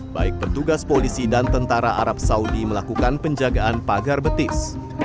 baik petugas polisi dan tentara arab saudi melakukan penjagaan pagar betis